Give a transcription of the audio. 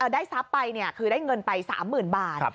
ได้ทรัพย์ไปคือได้เงินไป๓๐๐๐บาท